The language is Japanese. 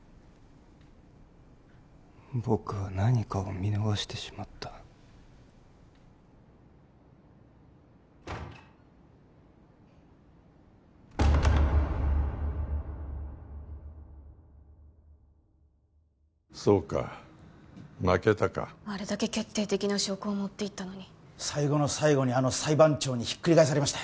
僕は何かを見逃してしまったそうか負けたかあれだけ決定的な証拠を持っていったのに最後の最後にあの裁判長にひっくり返されました